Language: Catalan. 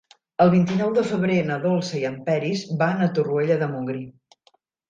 El vint-i-nou de febrer na Dolça i en Peris van a Torroella de Montgrí.